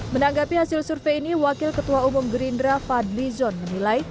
menanggapi hasil survei ini wakil ketua umum gerindra fadli zon menilai